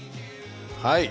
はい！